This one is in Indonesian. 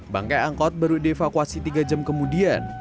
bangkai angkot baru dievakuasi tiga jam kemudian